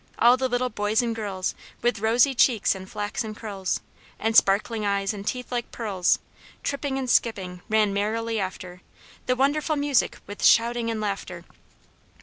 All the little boys and girls, With rosy cheeks and flaxen curls, And sparkling eyes and teeth like pearls, Tripping and skipping, ran merrily after The wonderful music with shouting and laughter.